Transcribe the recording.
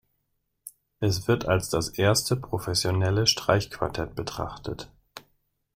Es wird als das erste professionelle Streichquartett betrachtet.